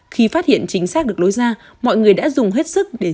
khi phát hiện chính xác được lối ra mọi người đã dùng hết sức để